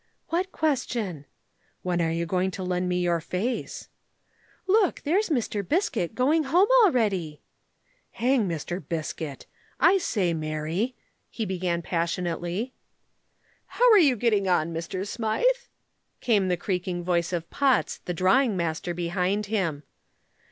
"What question?" "When are you going to lend me your face?" "Look, there's Mr. Biskett going home already!" "Hang Mr. Biskett! I say, Mary " he began passionately. "How are you getting on, Mr. Smythe?" came the creaking voice of Potts, the drawing master, behind him.